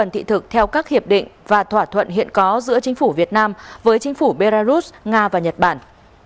thị thực theo các hiệp định và thỏa thuận hiện có giữa chính phủ việt nam với chính phủ belarus nga và nhật bản